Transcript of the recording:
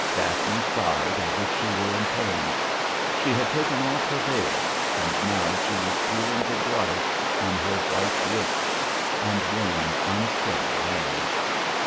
Daphne sighed as if she were in pain. She had taken off her veil, and now she was peeling the gloves from her white wrists and warm, unsteady hands.